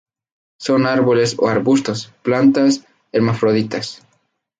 Son árboles o arbustos; plantas hermafroditas.